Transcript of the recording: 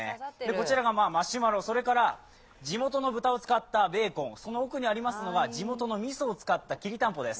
こちらがマシュマロ、それから地元の豚を使ったベーコン、その奥にありますのは、地元のみそを使ったきりたんぽです。